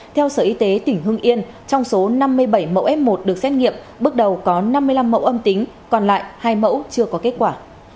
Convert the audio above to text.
theo sở y tế tỉnh hưng yên trong số năm mươi bảy mẫu f một được xét nghiệm bước đầu có năm mươi năm mẫu âm tính còn lại hai mẫu chưa có kết quả